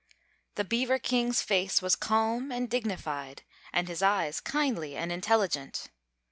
The Beaver King's face was calm and dignified, and his eyes kindly and intelligent.